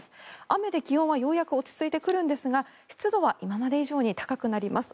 雨で気温はようやく落ち着いてくるんですが湿度は今まで以上に高くなります。